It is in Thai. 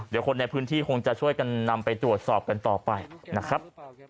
เดี๋ยวคนในพื้นที่คงจะช่วยกันนำไปตรวจสอบกันต่อไปนะครับ